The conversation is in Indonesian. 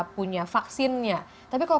punya vaksinnya tapi kalau